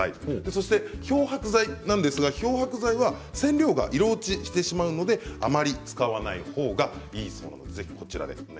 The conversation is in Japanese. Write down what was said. そして、漂白剤なんですが漂白剤は染料が色落ちしてしまうので、あまり使わないほうがいいそうです。